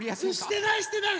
してないしてない！